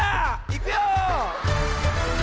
いくよ！